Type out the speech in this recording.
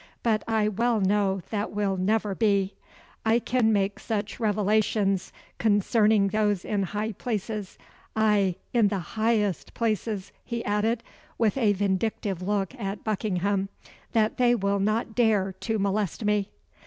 But I well know that will never be. I can make such revelations concerning those in high places ay, in the highest places," he added, with a vindictive look at Buckingham, "that they will not dare to molest me."